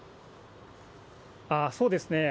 そうですね。